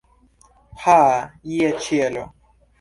Ha, je ĉielo!